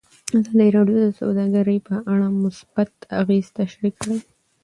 ازادي راډیو د سوداګري په اړه مثبت اغېزې تشریح کړي.